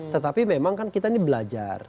tetapi memang kan kita ini belajar